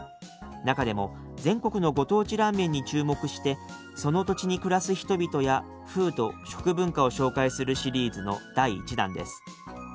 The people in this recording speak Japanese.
中でも全国のご当地ラーメンに注目してその土地に暮らす人々や風土食文化を紹介するシリーズの第１弾です。